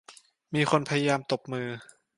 มีคนพยายามตบมือ